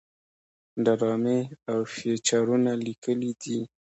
ډرامې او فيچرونه ليکلي دي